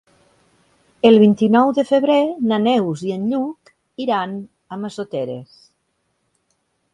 El vint-i-nou de febrer na Neus i en Lluc iran a Massoteres.